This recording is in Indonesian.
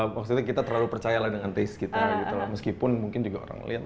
maksudnya kita terlalu percaya dengan taste kita meskipun mungkin juga orang lain